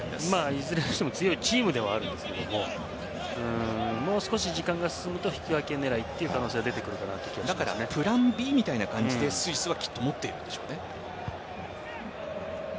いずれにしても強いチームではあるんですけどもう少し時間が進むと引き分け狙いという可能性はプランＢみたいな感じでスイスはきっと持っているでしょうね。